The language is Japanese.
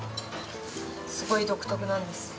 すごい独特なんです。